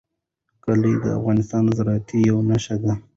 کلي د افغانستان د زرغونتیا یوه نښه ده.